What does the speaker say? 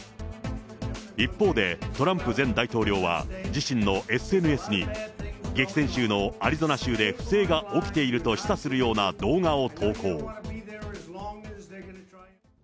一方で、トランプ前大統領は自身のＳＮＳに、激戦州のアリゾナ州で不正が起きていると示唆するような動画を投稿。